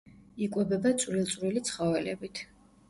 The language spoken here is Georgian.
იკვებება წვრილ-წვრილი ცხოველებით.